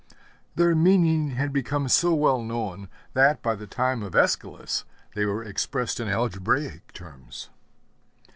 Their meaning had become so well known that, by the time of Æschylus, they were expressed in algebraic terms.